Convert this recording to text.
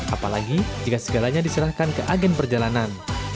apalagi jika segalanya diserahkan ke agen perjalanan